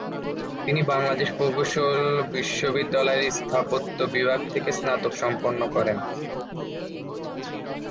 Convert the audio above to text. তিনি বাংলাদেশ প্রকৌশল বিশ্ববিদ্যালয়ের স্থাপত্য বিভাগ থেকে স্নাতক সম্পন্ন করেন।